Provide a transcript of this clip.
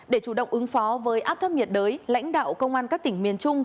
để chủ động ứng phó với áp thấp nhiệt đới lãnh đạo công an các tỉnh miền trung